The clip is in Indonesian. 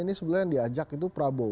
ini sebenarnya yang diajak itu prabowo